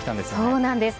そうなんです。